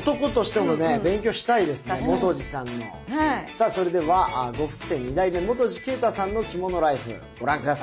さあそれでは呉服店二代目泉二啓太さんの着物ライフご覧下さい。